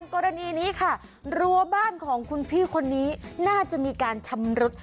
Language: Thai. กรณีนี้ค่ะรั้วบ้านของคุณพี่คนนี้น่าจะมีการชำรุด